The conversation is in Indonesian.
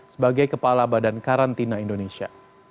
sebagai kepala badan karantina indonesia